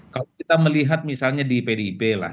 kalau kita melihat misalnya di pdip lah